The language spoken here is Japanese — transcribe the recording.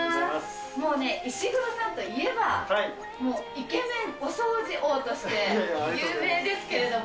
もうね、石黒さんといえば、もうイケメンお掃除王として有名ですけれども。